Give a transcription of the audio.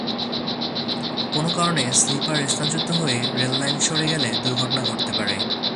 কোনো কারণে স্লিপার স্থানচ্যুত হয়ে রেললাইন সরে গেলে দুর্ঘটনা ঘটতে পারে।